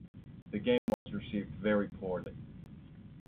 The game was received very poorly.